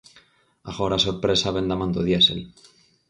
Agora a sorpresa vén da man do diésel.